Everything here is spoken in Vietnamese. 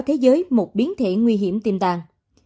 thế giới một biến thể nguy hiểm tiêm đàn